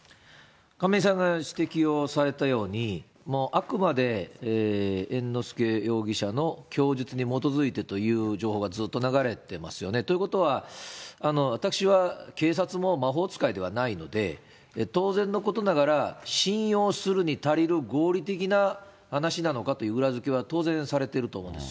亀井さんが指摘をされたように、あくまで猿之助容疑者の供述に基づいてという情報がずっと流れていますよね。ということは、私は警察も魔法使いではないので、当然のことながら、信用するに足りる合理的な話なのかという裏付けは、当然されてると思うんです。